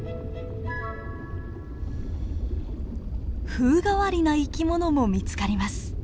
風変わりな生き物も見つかります。